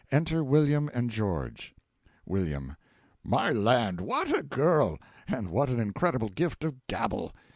Enter WILLIAM and GEORGE. W. My land, what a girl! and what an incredible gift of gabble!